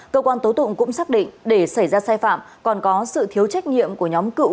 cơ quan tố tụng cũng xác định để xảy ra sai phạm còn có sự thiếu trách nhiệm của nhóm cựu